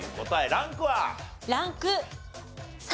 ランク３。